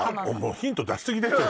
ヒント出しすぎですよ